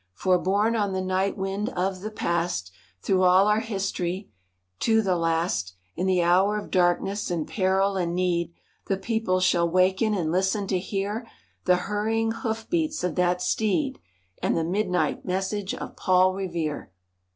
For, borne on the night wind of the past, Through all our history, to the last, In the hour of darkness and peril and need The people shall waken and listen to hear The hurrying hoof beats of that steed. And the midnight message of Paul Revere."